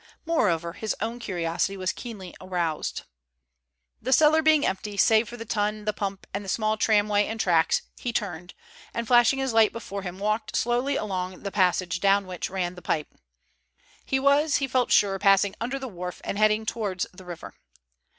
Moreover, his own curiosity was keenly aroused. The cellar being empty save for the tun, the pump, and the small tramway and trucks, he turned, and flashing his light before him, walked slowly along the passage down which ran the pipe. He was, he felt sure, passing under the wharf and heading towards the river.